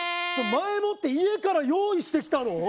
それ前もって家から用意してきたろ！？